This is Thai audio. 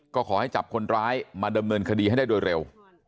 ก็ขอให้จับคนร้ายมาดำเนินคดีให้ได้โดยเร็ว